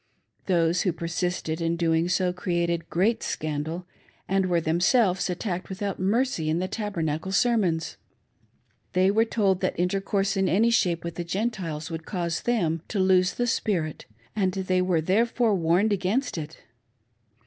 Those who persisted in doing so created great scandal, and were themselves attacked without mercy in the Tabernacle sermons. They were told that intercourse in any shape with the Gentiles would cause them to lose the spirit, and they were, therefore, warned against it.